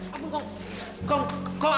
hanya di sini saja